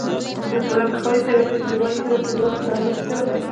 لکه ښاري طبقې، کليواله طبقه لوستې، نالوستې طبقې.